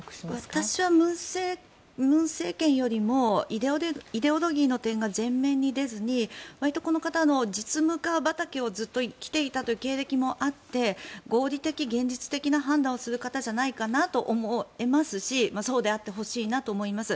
私は文政権よりもイデオロギーの点が前面に出ずにわりとこの方、実務家畑をずっと来ていたという経歴もあって合理的、現実的な判断をする方じゃないかなと思いますしそうであってほしいなと思います。